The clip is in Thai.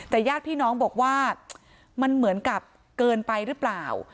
แต่ญาติพี่น้องบอกว่ามันเหมือนกับเกินไปหรือเปล่า